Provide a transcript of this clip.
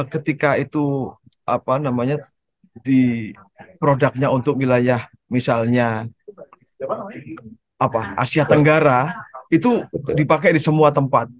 ketika itu apa namanya di produknya untuk wilayah misalnya asia tenggara itu dipakai di semua tempat